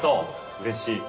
うれしい。